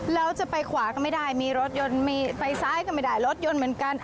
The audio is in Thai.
แล้วจะไปขวาก็ไม่ได้มีรถยนต์มีไปซ้ายก็ไม่ได้รถยนต์เหมือนกัน